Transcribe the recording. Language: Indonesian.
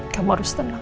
kamu harus tenang